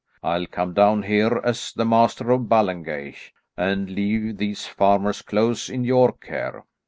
I'll come down here as the Master of Ballengeich, and leave these farmer's clothes in your care.